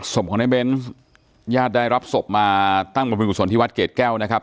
สมของนายเบนญาติได้รับสมมาตั้งประมวลส่วนที่วัดเกดแก้วนะครับ